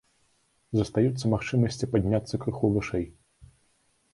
Застаюцца магчымасці падняцца крыху вышэй.